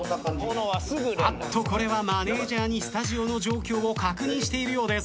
あっとこれはマネジャーにスタジオの状況を確認しているようです。